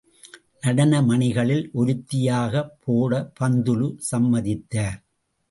நடன மணிகளில் ஒருத்தியாகப் போட பந்துலு சம்மதித்தார்.